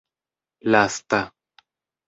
lasta